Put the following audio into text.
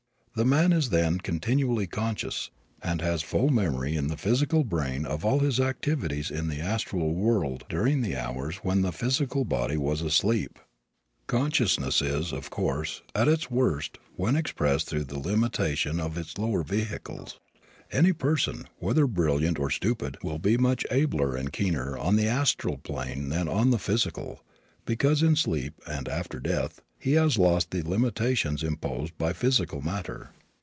The man is then continuously conscious, and has a full memory in the physical brain of all his activities in the astral world during the hours when the physical body was asleep. Consciousness is, of course, at its worst when expressed through the limitation of its lower vehicles. Any person, whether brilliant or stupid, will be much abler and keener on the astral plane than on the physical, because in sleep, and after death, he has lost the limitations imposed by physical matter.